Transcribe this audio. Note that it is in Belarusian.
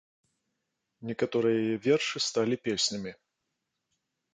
Некаторыя яе вершы сталі песнямі.